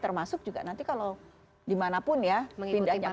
termasuk juga nanti kalau dimanapun ya pindahnya